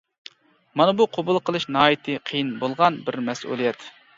مانا بۇ قوبۇل قېلىش ناھايىتى قىيىن بولغان بىر مەسئۇلىيەت.